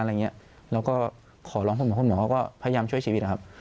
แล้วก็ขอร้องพรุ่งหมอหมอก็พยายามช่วยชีวิต